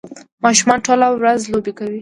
ماشومان ټوله ورځ لوبې کوي.